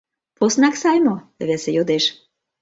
— Поснак сай мо? — весе йодеш.